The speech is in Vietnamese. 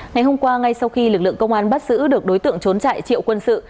ngày hôm qua ngay sau khi lực lượng công an bắt giữ được đối tượng trốn trại triệu quân sự